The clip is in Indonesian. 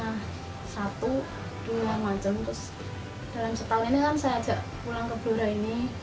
terus dalam setahun ini kan saya ajak pulang ke belora ini